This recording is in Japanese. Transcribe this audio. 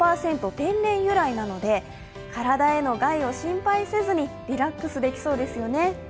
天然由来なので、体への害を心配せずにリラックスできそうですよね。